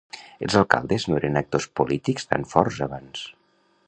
Els alcaldes no eren actors polítics tan forts abans.